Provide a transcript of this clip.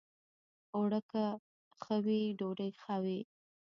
اوړه که ښه وي، ډوډۍ ښه وي